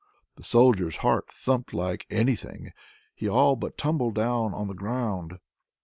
The Soldier's heart thumped like anything; he all but tumbled down on the ground!